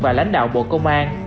và lãnh đạo bộ công an